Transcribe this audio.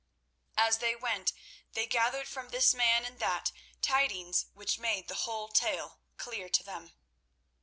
As they went they gathered from this man and that tidings which made the whole tale clear to them.